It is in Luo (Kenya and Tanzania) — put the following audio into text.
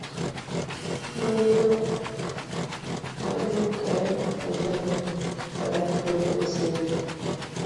Noyudo adong' kenda ka joma ne wadak godo osewuok.